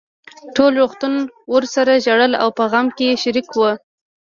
ټول روغتون ورسره ژړل او په غم کې يې شريک وو.